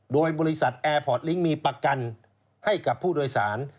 โดยบริษัทแอร์พอร์ตลิงค์มีประกันให้กับผู้โดยสาร